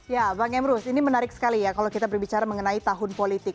ya bang emrus ini menarik sekali ya kalau kita berbicara mengenai tahun politik